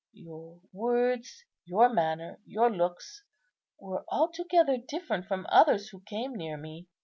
Your words, your manner, your looks were altogether different from others who came near me.